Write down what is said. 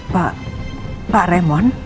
pak pak remo